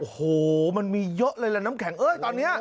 โอ้โหมันมีเยอะเลยแหละน้ำแข็งเอ้ยตอนนี้